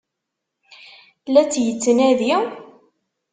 La tt-yettnadi?